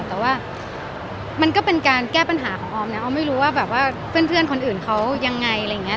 แต่ว่ามันก็เป็นการแก้ปัญหาของออมนะออมไม่รู้ว่าแบบว่าเพื่อนคนอื่นเขายังไงอะไรอย่างนี้